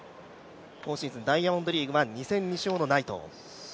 今シーズン、ダイヤモンドリーグは２戦２勝のナイトン。